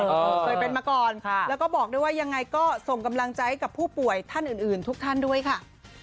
เคยเป็นมาก่อนแล้วก็บอกด้วยว่ายังไงก็ส่งกำลังใจให้กับผู้ป่วยท่านอื่นทุกท่านด้วยค่ะ